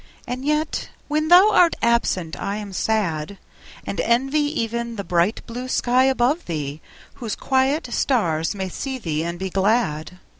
And yet when thou art absent I am sad; And envy even the bright blue sky above thee, Whose quiet stars may see thee and be glad.